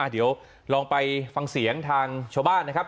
เดี๋ยวลองไปฟังเสียงทางชาวบ้านนะครับ